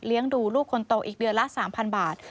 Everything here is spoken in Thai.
เลี้ยงดูลูกคนโตอีกเดือนละ๓๐๐๐บาท